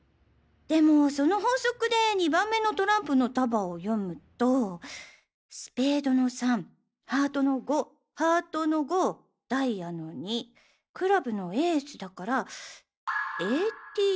でもその法則で２番目のトランプの束を読むとスペードの３ハートの５ハートの５ダイヤの２クラブのＡだから「ＡＴＴＩＣ」。